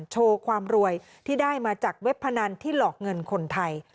โชว์ความรวยที่ได้มาจากเว็บพนันที่หลอกเงินคนไทย